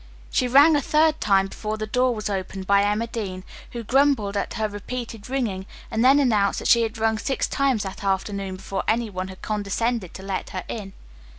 She rang a third time before the door was opened by Emma Dean, who grumbled at her repeated ringing and then announced that she had rung six times that afternoon before any one had condescended to let her in.